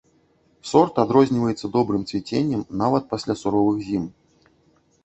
Сорт адрозніваецца добрым цвіценнем нават пасля суровых зім.